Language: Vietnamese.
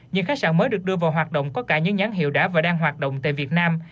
những khách sạn mới được đưa vào hoạt động có cả những nhãn hiệu đã và đang hoạt động tại việt nam